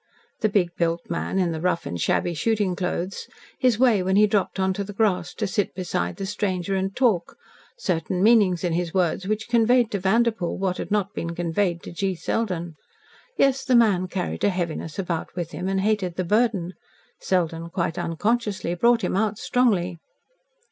The big built man in the rough and shabby shooting clothes, his way when he dropped into the grass to sit beside the stranger and talk, certain meanings in his words which conveyed to Vanderpoel what had not been conveyed to G. Selden. Yes, the man carried a heaviness about with him and hated the burden. Selden quite unconsciously brought him out strongly.